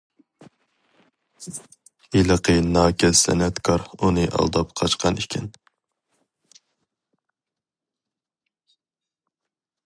ھېلىقى ناكەس سەنئەتكار ئۇنى ئالداپ قاچقان ئىكەن.